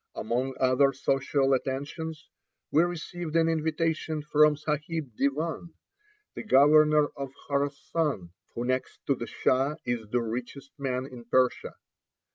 Among other social attentions, we received an invitation from Sahib Devan, the governor of Khorassan, who next to the Shah is the richest man in Persia.